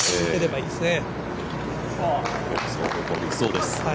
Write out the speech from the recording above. いいですね。